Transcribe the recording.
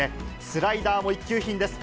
スライダーも一級品です。